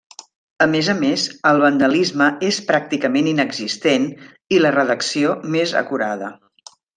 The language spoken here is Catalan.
A més a més, el vandalisme és pràcticament inexistent i la redacció més acurada.